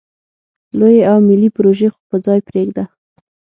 لویې او ملې پروژې خو په ځای پرېږده.